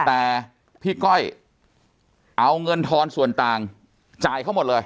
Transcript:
แต่พี่ก้อยเอาเงินทอนส่วนต่างจ่ายเขาหมดเลย